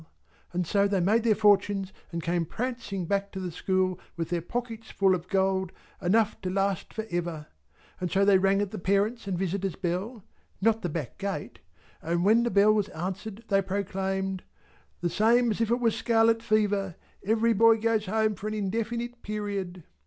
And so they made their fortunes and came prancing back to the school, with their pockets full of gold, enough to last for ever. And so they rang at the parents' and visitors' bell (not the back gate), and when the bell was answered they proclaimed 'The same as if it was scarlet fever! Every boy goes home for an indefinite period!'